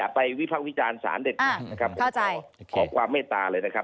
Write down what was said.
อย่าไปวิภัควิจารณ์สารเด็ดของความเมตตาเลยนะครับ